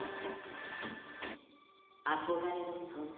憧れの存在。